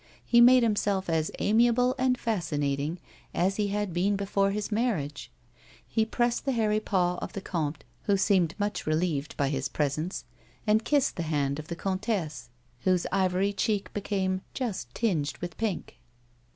He made himself as amiable and fascinating as he had been before his marriage. He pressed the hairy paw of the comte, who seemed much relieved by his presence, and kissed the hand of the comtesse, whose ivory cheek became just tinged with pink.